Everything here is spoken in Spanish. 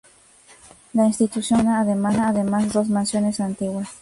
La institución gestiona además dos mansiones antiguas.